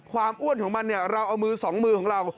ความอ้วนของมันเราเอามือสองมือของเรา